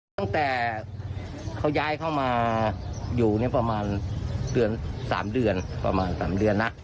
ตั้งแต่เขาย้ายเข้ามาอยู่ประมาณ๓เดือน